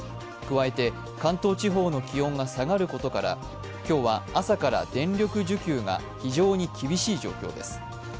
加えて、関東地方の気温が下がることから今日は朝から電力需給が非常に厳しい状況です。